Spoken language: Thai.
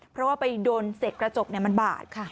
เพราะว่าไปโดนเศษกระจกมันบาดค่ะ